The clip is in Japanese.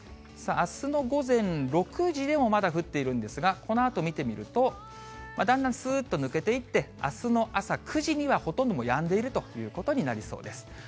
あすの午前６時でも、まだ降っているんですが、このあと見てみると、だんだんすーっと抜けていって、あすの朝９時にはほとんどやんでいるということになりそうです。